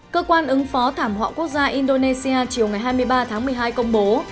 cơ quan ứng phó thảm họa quốc gia indonesia chiều ngày hai mươi ba tháng một mươi hai công bố